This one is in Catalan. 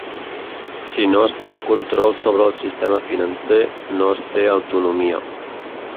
Si no es té el control sobre el sistema financer no es té autonomia.